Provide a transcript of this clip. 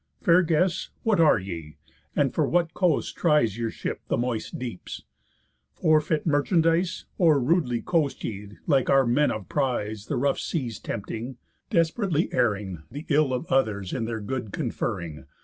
Fair guests, what are ye? And for what coast tries Your ship the moist deeps? For fit merchandise? Or rudely coast ye, like our men of prise, The rough seas tempting, desperately erring, The ill of others in their good conferring?"